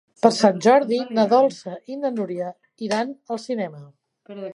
Per Sant Jordi na Dolça i na Núria iran al cinema.